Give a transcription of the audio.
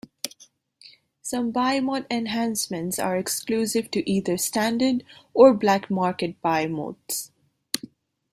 Some biomod enhancements are exclusive to either standard or black market Biomods.